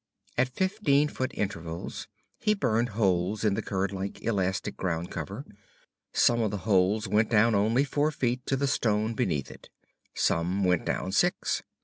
At fifteen foot intervals he burned holes in the curd like, elastic ground cover. Some of the holes went down only four feet to the stone beneath it. Some went down six.